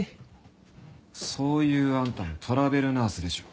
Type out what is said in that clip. そういうあんたもトラベルナースでしょ。